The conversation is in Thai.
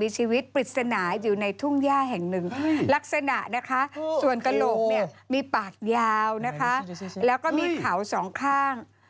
มีปากยาวนะคะแล้วก็มีเขาสองข้าง